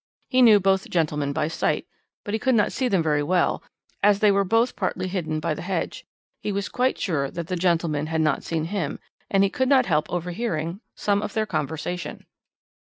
He knew both gentlemen by sight, but he could not see them very well as they were both partly hidden by the hedge. He was quite sure that the gentlemen had not seen him, and he could not help overhearing some of their conversation.